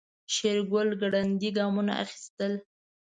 شېرګل ګړندي ګامونه اخيستل.